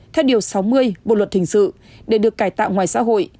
theo điều sáu mươi bộ luật hình sự để được cải tạo ngoài xã hội